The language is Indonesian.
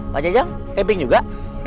pak jajang camping juga